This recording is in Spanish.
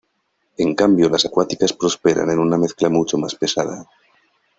En cambio las acuáticas prosperan en una mezcla mucho más pesada.